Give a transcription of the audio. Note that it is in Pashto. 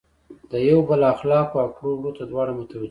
د یو بل اخلاقو او کړو وړو ته دواړه متوجه وي.